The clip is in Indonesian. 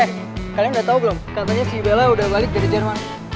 eh kalian udah tahu belum katanya si bella udah balik dari jerman